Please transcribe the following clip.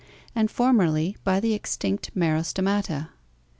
131) and formerly by the extinct Merostomata (Fig.